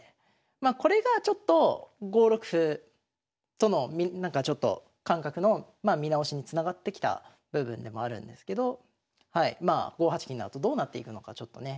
まあこれがちょっと５六歩とのなんかちょっと感覚の見直しにつながってきた部分でもあるんですけどまあ５八金のあとどうなっていくのかちょっとね。